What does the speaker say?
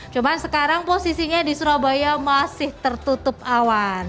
cuma sekarang posisinya di surabaya masih tertutup awan